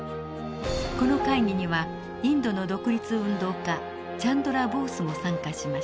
この会議にはインドの独立運動家チャンドラ・ボースも参加しました。